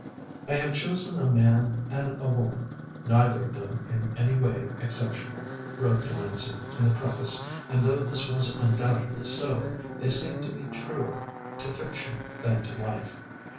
"I have chosen a man and a woman, neither of them in any way exceptional," wrote Delancey in the preface and though this was undoubtedly so, they seemed to me truer to fiction than to life.